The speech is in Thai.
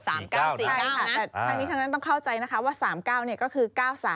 แต่ทั้งนั้นต้องเข้าใจว่า๓๙ก็คือ๙๓